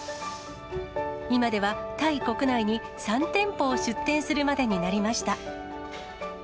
今では、タイ国内に３店舗を出店するまでになりました。